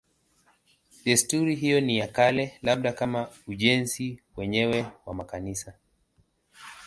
Desturi hiyo ni ya kale, labda kama ujenzi wenyewe wa makanisa.